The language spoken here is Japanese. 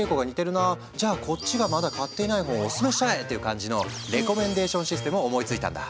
じゃあこっちがまだ買ってない本をオススメしちゃえ！っていう感じのレコメンデーションシステムを思いついたんだ。